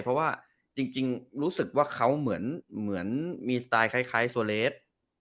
เพราะว่าจริงรู้สึกว่าเขาเหมือนมีสไตล์คล้ายโซเลส